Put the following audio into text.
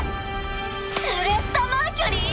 スレッタ・マーキュリー？